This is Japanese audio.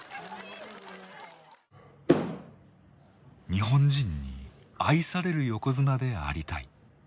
「日本人に愛される横綱でありたい」。